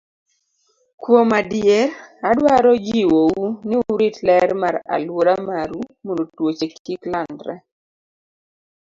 Kuom adier, adwaro jiwou ni urit ler mar alwora maru mondo tuoche kik landre.